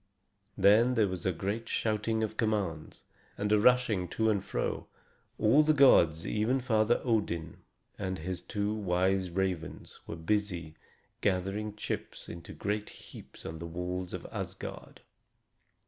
Then there was a great shouting of commands, and a rushing to and fro. All the gods, even Father Odin and his two wise ravens, were busy gathering chips into great heaps on the walls of Asgard.